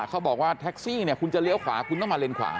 เขาบอกว่าแท็กซี่เนี่ยคุณจะเลี้ยวขวาคุณต้องมาเลนขวา